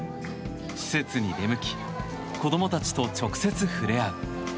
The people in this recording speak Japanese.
施設に出向き子供たちと直接触れ合う。